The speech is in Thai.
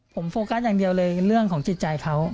ผมโฟกัสอย่างเดียวเลยเรื่องของจิตใจเขา